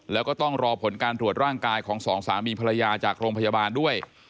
แล้วก็ต้องรอผลการตรวจร่างกายของสองสามีภรรยาจากโรงพยาบาลด้วย